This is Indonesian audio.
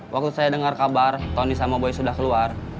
waktu saya dengar kabar tony sama boy sudah keluar